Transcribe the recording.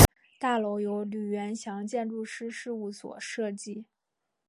大楼由吕元祥建筑师事务所设计。